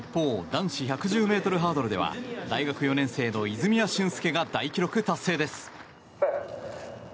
一方、男子１１０ｍハードルでは大学４年生の泉谷駿介が大記録達成です。